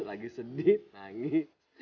lagi sedih nangis